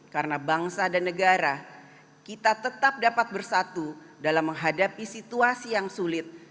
karena bangsa dan negara kita tetap dapat bersatu dalam menghadapi situasi yang sulit